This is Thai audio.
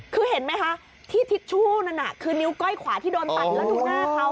คือเห็นไหมคะที่ทิชชู่นั่นน่ะคือนิ้วก้อยขวาที่โดนตัดแล้วดูหน้าเขา